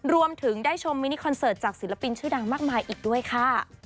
รวมถึงได้ชมมินิคอนเสิร์ตจากศิลปินชื่อดังมากมายอีกด้วยค่ะ